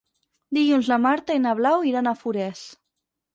Dilluns na Marta i na Blau iran a Forès.